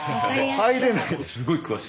入れない。